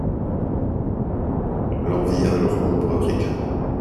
L’envie à leur ombre ricane.